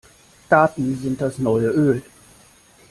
Daten sind das neue Öl.